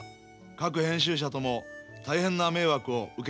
各編集者とも大変な迷惑を受けています。